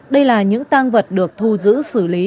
đây là những tăng vật được thu giữ xử lý